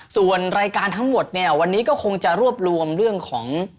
ส่วนรายการทั้งหมดเนี่ยวันนี้ก็คงจะรวบรวมเรื่องของ